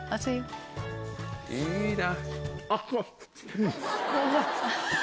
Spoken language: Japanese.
いいな。